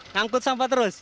ngangkut sampah terus